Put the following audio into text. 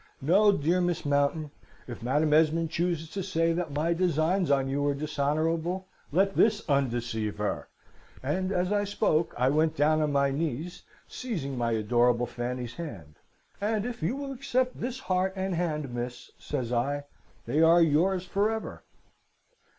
No, dear Miss Mountain! If Madam Esmond chooses to say that my designs on you are dishonourable, let this undeceive her!' And, as I spoke, I went down on my knees, seizing my adorable Fanny's hand. 'And if you will accept this heart and hand, miss,' says I, 'they are yours for ever.'